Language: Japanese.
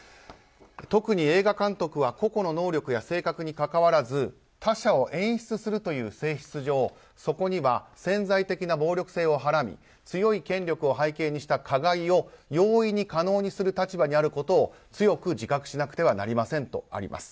特に映画監督は個々の能力や性格にかかわらず他者を演出するという性質上そこには潜在的な暴力性をはらみ強い権力を背景にした加害を容易に可能にする立場にあることを強く自覚しなければなりません。